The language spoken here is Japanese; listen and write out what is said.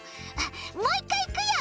もういっかいいくよ。